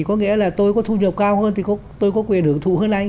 có nghĩa là tôi có thu nhập cao hơn thì tôi có quyền hưởng thụ hơn anh